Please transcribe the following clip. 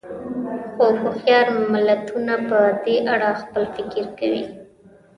خو هوښیار ملتونه په دې اړه خپل فکر کوي.